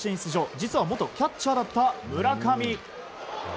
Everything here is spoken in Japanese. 実は元キャッチャーだった村上。